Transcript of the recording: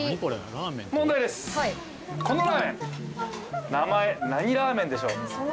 このラーメン名前何ラーメンでしょう？